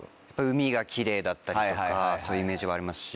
海がキレイだったりとかそういうイメージはありますし。